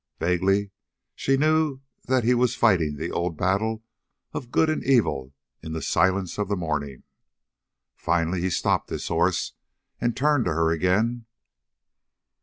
Vaguely she knew that he was fighting the old battle of good and evil in the silence of the morning. Finally he stopped his horse and turned to her again.